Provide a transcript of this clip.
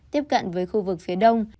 tiếp cận với khu vực phía đông